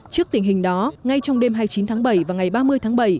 trước tình hình đó ngay trong đêm hai mươi chín tháng bảy và ngày ba mươi tháng bảy